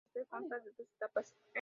La historia consta de dos etapas.